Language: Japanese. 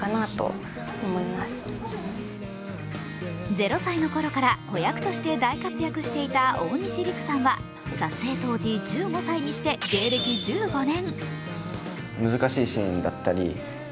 ０歳のころから子役として大活躍していた大西利空さんは撮影当時、１５歳にして芸歴１５年。